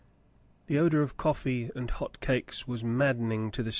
The odor of coffee and hot cakes was maddening to the JOot.